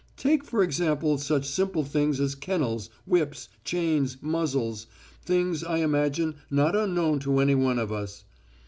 Take for example such simple things as kennels, whips, chains, muzzles things, I imagine, not unknown to any one of us.